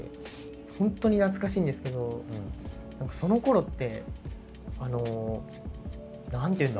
ほんとに懐かしいんですけどそのころってあの何ていうんだ？